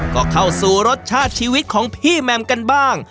ก็เข้าสู่รสชาติชีวิตของพี่แมมกันบ้าง